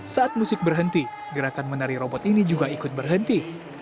saat musik berhenti gerakan menari robot ini juga ikut berhenti